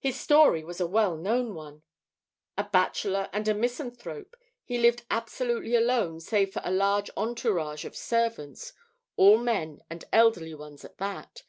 His story was a well known one. A bachelor and a misanthrope, he lived absolutely alone save for a large entourage of servants, all men and elderly ones at that.